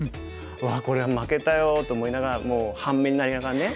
「うわこれ負けたよ」と思いながらもう半目になりながらね。